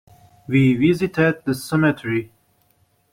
We visited the cemetery.